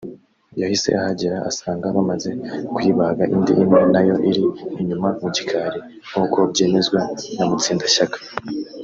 yahise ahagera asanga bamaze kuyibaga indi imwe nayo iri inyuma mu gikari; nk’uko byemezwa na Mutsindashyaka